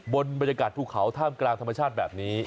บนบรรยากาศภูเขาท่ามกลางธรรมชาติแบบนี้